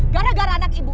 gara gara anak ibu